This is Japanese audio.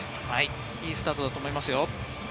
いいスタートだと思いますよ。